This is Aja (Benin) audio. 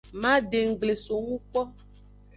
Madenggble songu kpo.